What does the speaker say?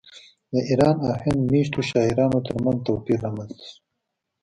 د ایران او هند میشتو شاعرانو ترمنځ توپیر رامنځته شو